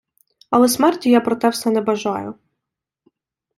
Але смерті я про те все не бажаю.